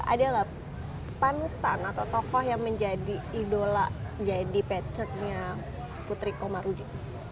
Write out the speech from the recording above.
ada gak panutan atau tokoh yang menjadi idola jadi pecetnya putri komarudi